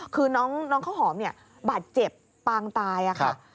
คือน้องข้าวหอมเนี่ยบาดเจ็บปางตายค่ะ